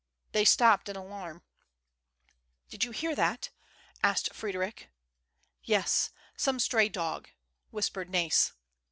They stopped in alarm. "Do you hear that? " asked Frederic. "Yes; some stray dog," whispered NaYs.